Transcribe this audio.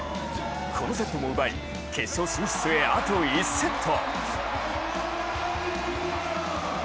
このセットも奪い決勝進出へあと１セット。